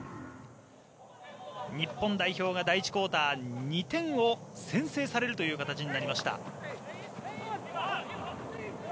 日本代表が第１クオーター２点を先制されるという形になりました。